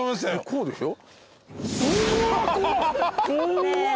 こうでしょ？